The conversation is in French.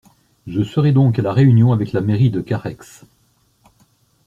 Je serai donc à la réunion avec la mairie de Carhaix.